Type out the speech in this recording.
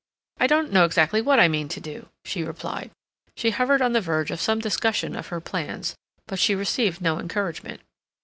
"I don't know exactly what I mean to do," she replied. She hovered on the verge of some discussion of her plans, but she received no encouragement.